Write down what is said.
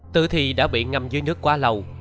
tử thi đã bị ngâm dưới nước quá lâu